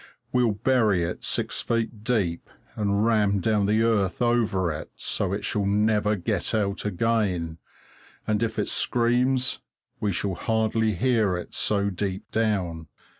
We'll bury it six feet deep and ram down the earth over it, so that it shall never get out again, and if it screams, we shall hardly hear it so deep down.